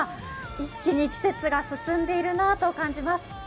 一気に季節が進んでいるなと感じます。